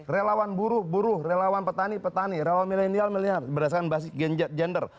relawan buruh buruh relawan petani petani relawan milenial milenial berdasarkan basis gender